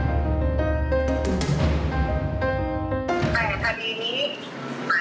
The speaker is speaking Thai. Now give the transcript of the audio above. หนูไม่ได้ทำจริงค่ะ